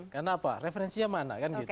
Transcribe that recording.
kenapa referensinya mana